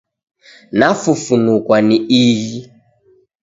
Nafufunukwa ni ighi!